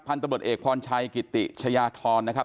ตำรวจเอกพรชัยกิติชายาธรนะครับ